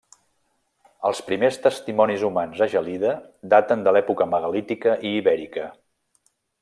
Els primers testimonis humans a Gelida daten de l'època megalítica i ibèrica.